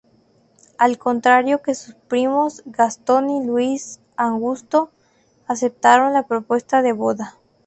Al contrario que sus primos, Gastón y Luis Augusto aceptaron la propuesta de boda.